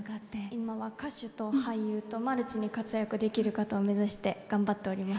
今は歌手と俳優とマルチに活躍できる方を目指して頑張っております。